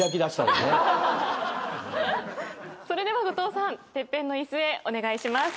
それでは後藤さんＴＥＰＰＥＮの椅子へお願いします。